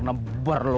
nekak neber lu